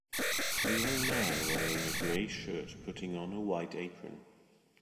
A young man wearing a gray shirt putting on a white apron.